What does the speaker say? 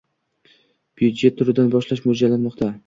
«byudjet» turidan boshlash mo‘ljallanmoqda.